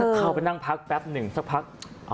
เข้าไปนั่งพักแป๊บหนึ่งสักพัก